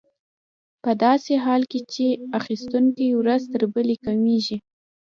په داسې حال کې چې اخیستونکي ورځ تر بلې کمېږي